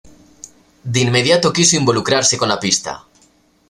De inmediato quiso involucrarse con la pista.